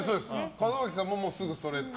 門脇さんもすぐそれって。